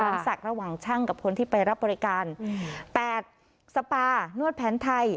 ร้านสักระหว่างช่างกับคนที่ไปรับบริการอืมแปดสปานวดแผนไทย